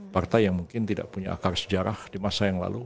partai yang mungkin tidak punya akar sejarah di masa yang lalu